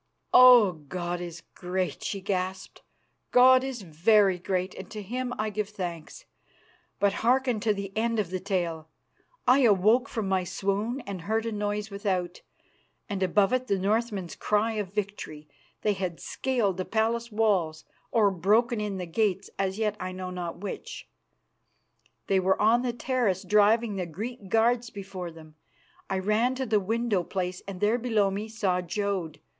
"Oh! God is great!" she gasped. "God is very great, and to Him I give thanks. But hearken to the end of the tale. I awoke from my swoon and heard noise without, and above it the Northmen's cry of victory. They had scaled the palace walls or broken in the gates as yet I know not which they were on the terrace driving the Greek guards before them. I ran to the window place and there below me saw Jodd.